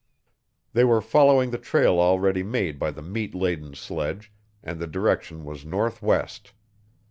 They were following the trail already made by the meat laden sledge, and the direction was northwest.